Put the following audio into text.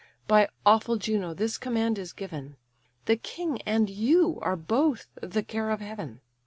By awful Juno this command is given; The king and you are both the care of heaven.